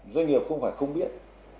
doanh nghiệp không phải không biết